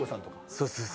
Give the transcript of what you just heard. そうです。